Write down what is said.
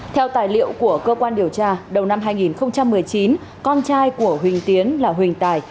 theo tài liệu của cơ quan điều tra đầu năm hai nghìn một mươi chín con trai của huỳnh tiến là huỳnh tài